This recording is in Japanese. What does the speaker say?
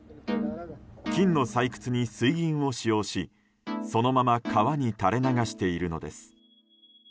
金の採掘に水銀を使用しそのまま川に垂れ流しているのです。